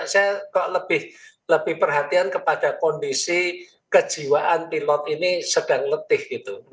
saya kok lebih perhatian kepada kondisi kejiwaan pilot ini sedang letih gitu